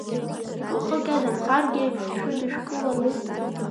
Уахык иадамхаргьы ҳшәыдышәкылару?